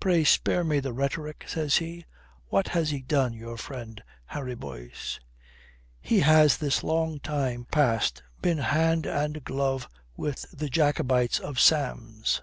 "Pray spare me the rhetoric," says he. "What has he done, your friend, Harry Boyce?" "He has this long time past been hand and glove with the Jacobites of Sam's.